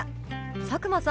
佐久間さん